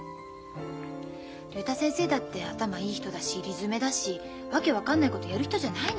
竜太先生だって頭いい人だし理詰めだし訳分かんないことやる人じゃないのよ。